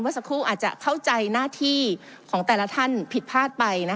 สักครู่อาจจะเข้าใจหน้าที่ของแต่ละท่านผิดพลาดไป